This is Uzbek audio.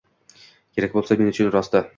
Kerak bulsa men uchun rosti